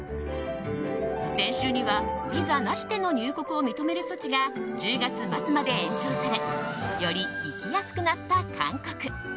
先週にはビザなしでの入国を認める措置が１０月末まで延長されより行きやすくなった韓国。